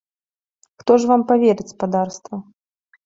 Хто ж вам паверыць, спадарства?